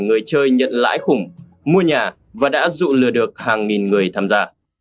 người chơi nhận lãi khủng mua nhà và đã dụ lừa được hàng nghìn người tham gia